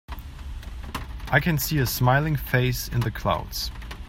I can see a smiling face in the clouds.